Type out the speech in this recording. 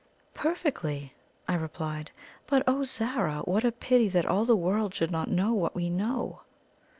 "Perfectly!" I replied. "But, O Zara! what a pity that all the world should not know what we know!"